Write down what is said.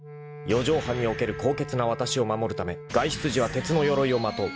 ［四畳半における高潔なわたしを守るため外出時は鉄のよろいをまとう］